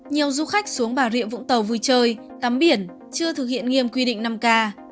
nhiều du khách xuống bà rịa vũng tàu vui chơi tắm biển chưa thực hiện nghiêm quy định năm k